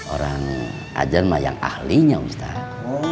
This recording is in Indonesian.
orang ajaran yang ahlinya ustadz